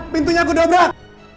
pintunya aku dobrak